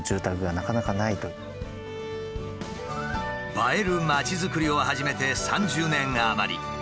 映える町づくりを始めて３０年余り。